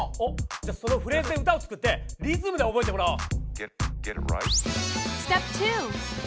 じゃあそのフレーズで歌を作ってリズムで覚えてもらおう！